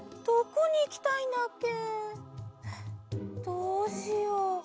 どうしよう。